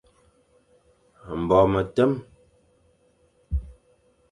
Mbo metem,